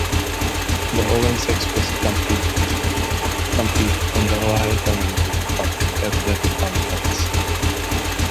The Owens Express compete in the Ohio Community College Athletic Conference.